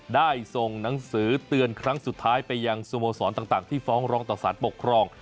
ได้ส่งหนังสือเตือนครั้งสุดท้ายไปยังสโมสรต่างที่ฟ้องร้องต่อสารปกครอง